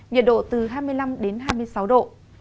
nhiệt độ từ hai mươi năm đến hai mươi sáu độ